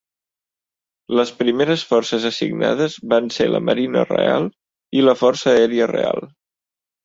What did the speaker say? Les primeres forces assignades van ser la Marina Real i la Força Aèria Real.